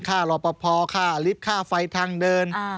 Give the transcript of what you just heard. ค่ารอประพอค่าลิฟท์ค่าไฟทางเดิน